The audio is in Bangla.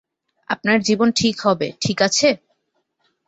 আপনার জীবন ঠিক হবে, ঠিক আছে?